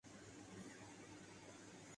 بالی would فلموں کے ناظرین کے لئے ہیں